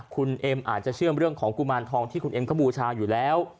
คุณเอ็มอาจจะเชื่อมเรื่องของกุมารทองที่คุณเอ็มเขาบูชาอยู่แล้ว